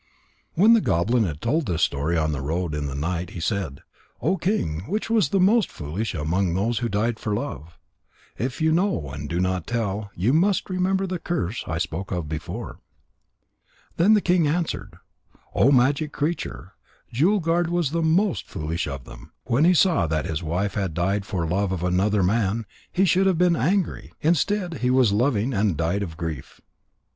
When the goblin had told this story on the road in the night, he said: "O King, which was the most foolish among those who died for love? If you know and do not tell, you must remember the curse I spoke of before." Then the king answered: "O magic creature, Jewel guard was the most foolish of them. When he saw that his wife had died for love of another man, he should have been angry. Instead, he was loving, and died of grief."